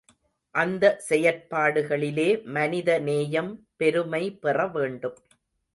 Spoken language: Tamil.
அந்த செயற்பாடுகளிலே மனித நேயம் பெருமை பெற வேண்டும்.